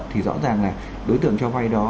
thì rõ ràng là đối tượng cho vay đó